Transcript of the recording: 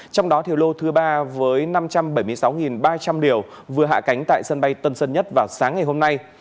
trong đó thì lô thứ ba với năm trăm bảy mươi sáu ba trăm linh điều vừa hạ cánh tại sân bay tân sơn nhất vào sáng ngày hôm nay